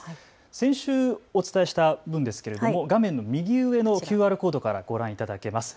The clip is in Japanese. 先週お伝えした分ですけれども画面の右上のＱＲコードからご覧いただけます。